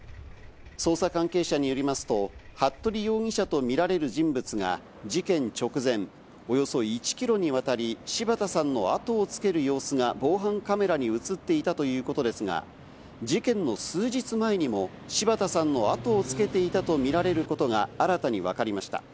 捜査関係者によりますと、服部容疑者と見られる人物が事件直前、およそ１キロにわたり柴田さんの後をつける様子が防犯カメラに映っていたということですが、事件の数日前にも柴田さんの後をつけていたとみられることが新たにわかりました。